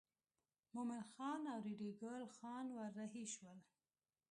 مومن خان او ریډي ګل خان ور رهي شول.